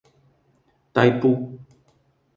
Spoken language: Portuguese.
Taipu